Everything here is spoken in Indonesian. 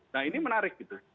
nah ini menarik gitu